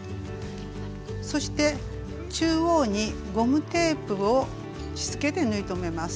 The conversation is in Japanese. そして中央にゴムテープをしつけで縫い留めます。